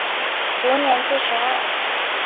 卒年七十二。